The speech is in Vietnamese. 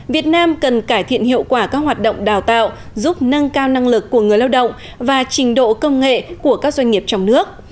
việt nam cần cải thiện hiệu quả các hoạt động đào tạo giúp nâng cao năng lực của người lao động và trình độ công nghệ của các doanh nghiệp trong nước